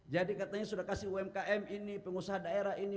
jadi katanya sudah kasih umkm ini pengusaha daerah ini